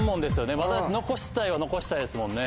まだ残したいは残したいですもんね。